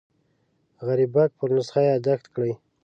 غریبک پر نسخه یاداښت کړی.